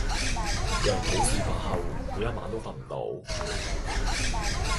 羊牯事發後「每一晚都瞓唔到」。